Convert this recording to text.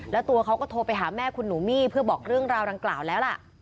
แล้วตัวเขาก็โทรไปหาแม่คุณหนูมี่เพื่อบอกเรื่องราวดังกล่าวแล้วล่ะ